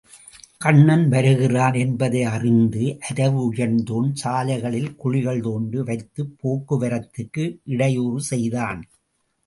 கண்ணன் வருகிறான் என்பதை அறிந்து அரவு உயர்த்தோன் சாலைகளில் குழிகள் தோண்டி வைத்துப் போக்கு வரத்துக்கு இடையூறு செய்தான்.